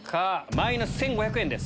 マイナス１５００円です。